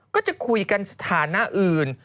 ก็จะคุยกันสถานะอื่น